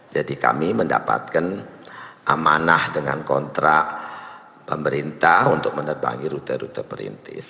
jadi kami mendapatkan amanah dengan kontrak pemerintah untuk menerbangi rute rute perintis